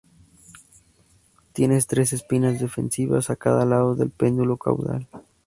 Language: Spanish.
Tiene tres espinas defensivas a cada lado del pedúnculo caudal.